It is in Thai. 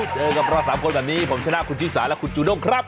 เจอกับเรา๓คนแบบนี้ผมชนะคุณชิสาและคุณจูด้งครับ